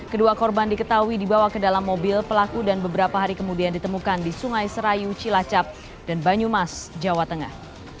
kedua korban diketahui dibawa ke dalam mobil pelaku dan beberapa hari kemudian ditemukan di sungai serayu cilacap dan banyumas jawa tengah